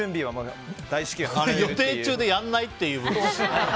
予定中でやんないっていう。